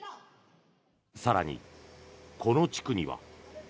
更に、この地区には。